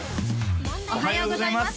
おはようございます